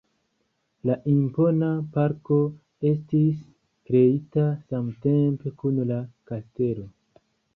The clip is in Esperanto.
La impona parko estis kreita samtempe kun la kastelo.